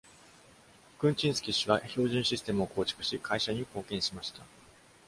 クンチンスキ氏は、標準システムを構築し、会社に貢献しました。